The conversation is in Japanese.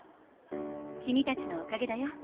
君たちのおかげだよ